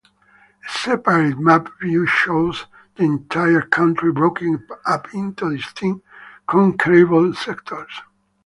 A separate map view shows the entire country broken up into distinct conquerable sectors.